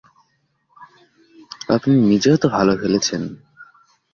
আপনি নিজেও তো ভালো খেলেছেন…